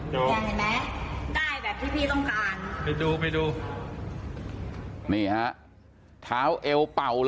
ใกล้แบบที่ต้องการ